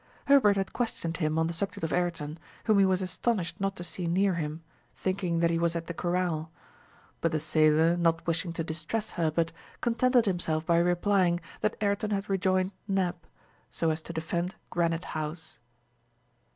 Herbert had questioned him on the subject of Ayrton, whom he was astonished not to see near him, thinking that he was at the corral. But the sailor, not wishing to distress Herbert, contented himself by replying that Ayrton had rejoined Neb, so as to defend Granite House.